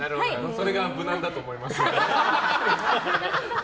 それが無難だと思います。